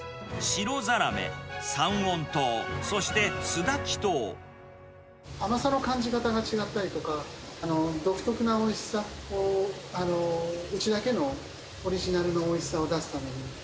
白ザラメ、三温糖、甘さの感じ方が違ったりとか、独特なおいしさ、うちだけのオリジナルのおいしさを出すために。